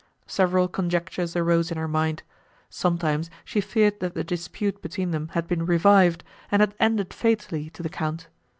Several conjectures arose in her mind. Sometimes she feared that the dispute between them had been revived, and had ended fatally to the Count.